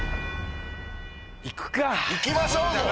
行きましょうぞ！